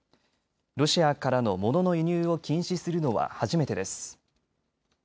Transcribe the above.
ロシアからのモノの輸入を禁止するのは初めてです。